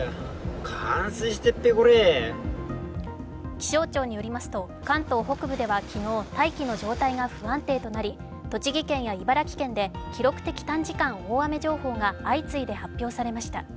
気象庁によりますと、関東北部では昨日、大気の状態が不安定となり、栃木県や茨城県で記録的短時間大雨情報が相次いで発表されました。